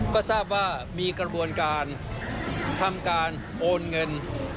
ก็ทราบว่ามีกระบวนการทำการโอนเงิน